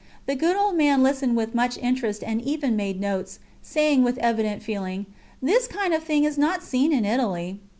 The good old man listened with much interest and even made notes, saying with evident feeling: "This kind of thing is not seen in Italy."